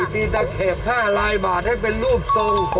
ตีตะเข็บ๕ลายบาทให้เป็นรูปทรง